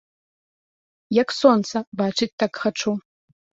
Як сонца, бачыць так хачу.